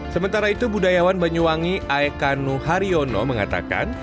sementara itu budayawan banyuwangi aekanu haryono mengatakan